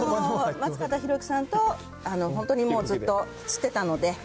松方弘樹さんと本当にずっとしてたので。